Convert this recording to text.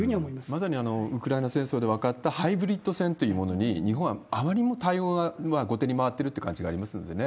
まさにウクライナ戦争で分かったハイブリッド戦というものに、日本はあまりにも対応が後手に回ってるって感じがありますのでね。